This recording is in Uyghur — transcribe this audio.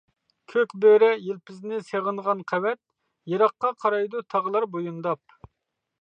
كۆك بۆرە، يىلپىزنى سېغىنغان قەۋەت، يىراققا قارايدۇ تاغلار بويۇنداپ.